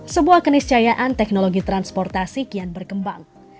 sebuah keniscayaan teknologi transportasi kian berkembang